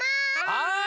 はい。